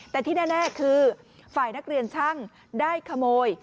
แต่ที่แน่คือฝ่ายนักเรียนช่างได้ขโมย